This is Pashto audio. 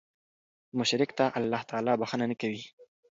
مشرک ته الله تعالی بخښنه نه کوي